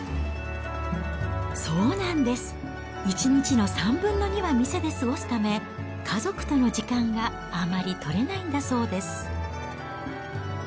そうなんです、１日の３分の２は店で過ごすため、家族との時間があまりとれないんだそうです。